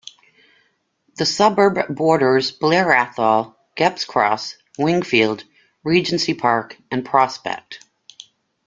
The suburb borders Blair Athol, Gepps Cross, Wingfield, Regency Park and Prospect.